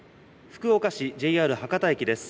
福岡市ＪＲ博多駅です。